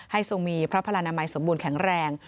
ทรงมีพระพลานามัยสมบูรณแข็งแรง